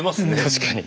確かに。